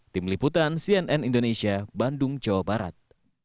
tim liputan cnn indonesia bandung jawa barat